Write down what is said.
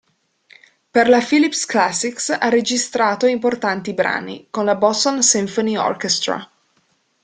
Per la Philips Classics ha registrato importanti brani, con la Boston Symphony Orchestra.